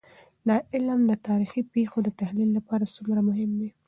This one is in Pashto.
دا علم د تاريخي پېښو د تحلیل لپاره څومره مهم دی؟